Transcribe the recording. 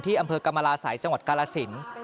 อำเภอกรรมราศัยจังหวัดกาลสิน